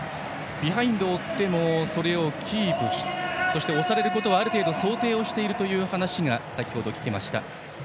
ビハインドを負ってもそれをキープしてそして、押されることはある程度想定をしているという話が先程聞けました。